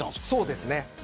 そうですね。